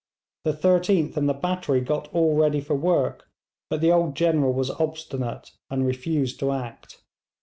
The 13th and the battery got all ready for work, but the old General was obstinate, and refused to act.'